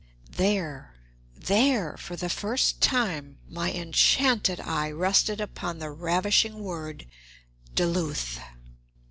There, there for the first time, my enchanted eye rested upon the ravishing word "Duluth."